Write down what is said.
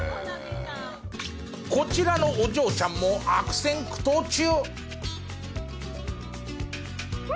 こちらのお嬢ちゃんも悪戦苦闘中！